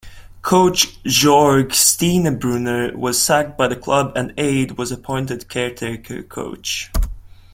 Coach Jorg Stienebrunner was sacked by the club and Aide was appointed caretaker coach.